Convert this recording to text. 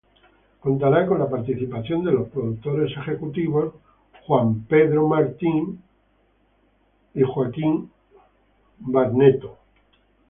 Contará con la participación de los productores ejecutivos Kelly Martin y John Barnett.